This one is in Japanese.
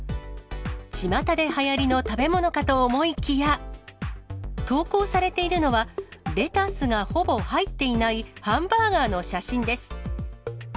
ちまたではやりの食べ物かと思いきや、投稿されているのは、レタスがほぼ入っていないハンバーガーの写真です。